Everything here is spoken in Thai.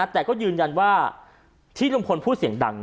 แต่ก็ยืนยันว่าที่ลุงพลพูดเสียงดัง